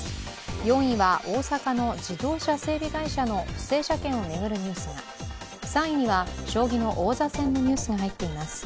４位は、大阪の自動車整備会社の不正車検を巡るニュースが、３位には将棋の王座戦のニュースが入っています。